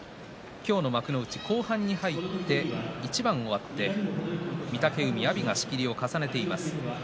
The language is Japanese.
今日の幕内、後半に入って一番を終わって御嶽海、阿炎が仕切りを重ねています。